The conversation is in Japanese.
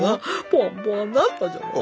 ポワンポワンなったじゃない？